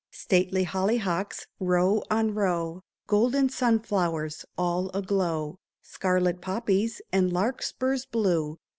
Stately hollyhocks, row on row. Golden sunflowers, all aglow, Scarlet poppies, and larkspurs blue.